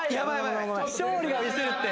勝利がミスるって。